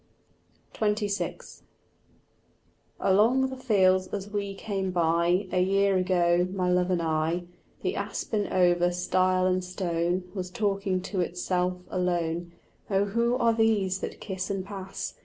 XXVI Along the fields as we came by A year ago, my love and I, The aspen over stile and stone Was talking to itself alone. "Oh who are these that kiss and pass?